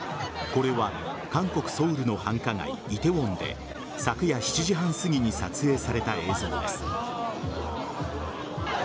これは韓国・ソウルの繁華街、梨泰院で昨夜７時半すぎに撮影された映像です。